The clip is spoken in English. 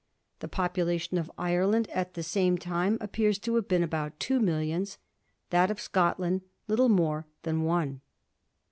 The population of Ireland at the same time appears to have been about two millions ; that of Scotland little more than •one.